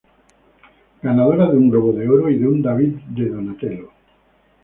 Ganadora de un Globo de Oro y un David di Donatello.